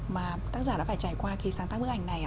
mà tác giả đã phải trải qua khi sáng tác bức ảnh này ạ